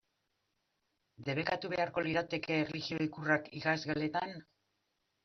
Debekatu beharko lirateke erlijio ikurrak ikasgeletan?